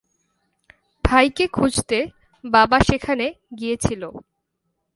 ভাইকে খুঁজতে বাবা সেখানে গিয়েছিলো।